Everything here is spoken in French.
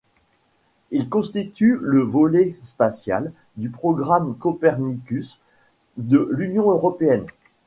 Ils constituent le volet spatial du programme Copernicus de l'Union européenne.